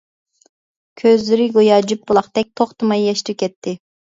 كۆزلىرى گويا جۈپ بولاقتەك توختىماي ياش تۆكەتتى.